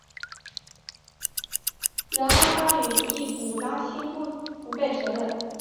然而哈里发易卜拉欣不被承认。